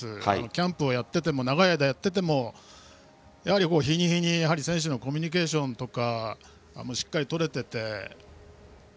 キャンプやっていても長い間やっていてもやはり日に日に選手のコミュニケーションとかもしっかりとれていて。